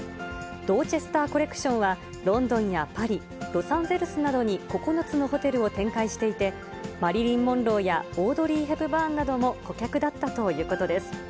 ドーチェスター・コレクションは、ロンドンやパリ、ロサンゼルスなどに９つのホテルを展開していて、マリリン・モンローやオードリー・ヘプバーンなども顧客だったということです。